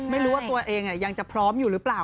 ไม่รู้ว่าตัวเองยังจะพร้อมอยู่หรือเปล่า